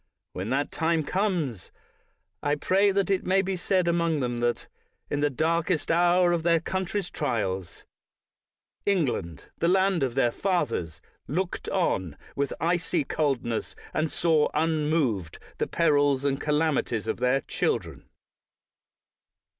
When that time comes, I pray that it may not be said among them, that in the darkest hour of their country's trials, England, the land of their fathers, looked on with icy coldness and saw unmoved the perils and calamities of their children.